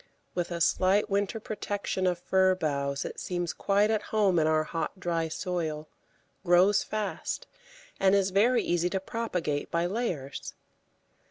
With a slight winter protection of fir boughs it seems quite at home in our hot, dry soil, grows fast, and is very easy to propagate by layers.